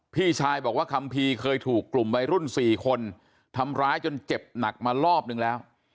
พี่ชายบอกว่าคัมภีร์เคยถูกกลุ่มวัยรุ่น๔คนทำร้ายจนเจ็บหนักมารอบนึงแล้ว